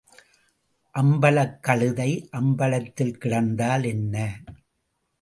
அம்பலக் கழுதை அம்பலத்தில் கிடந்தால் என்ன?